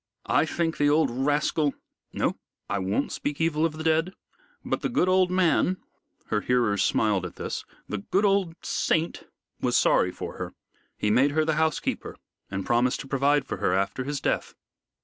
I think the old rascal no, I won't speak evil of the dead but the good old man" her hearers smiled at this "the good old saint was sorry for her. He made her the housekeeper and promised to provide for her after his death."